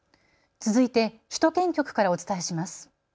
続いて首都圏局からお伝えします。